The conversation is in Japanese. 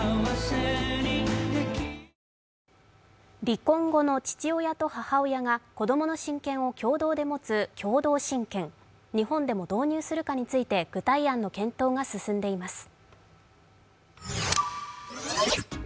離婚後の父親と母親が子供の親権を共同で持つ共同親権、日本でも導入するかについて具体案の検討が進んでいます。